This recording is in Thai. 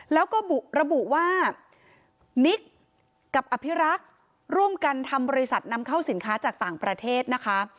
แล้วก็ระบุว่านิกกับอภิรักษ์ร่วมกันทำบริษัทนำเข้าสินค้าจากต่างประเทศนะคะ